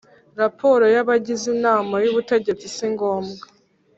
Raporo y’abagize Inama y’Ubutegetsi si ngombwa